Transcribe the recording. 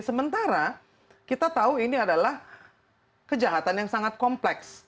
sementara kita tahu ini adalah kejahatan yang sangat kompleks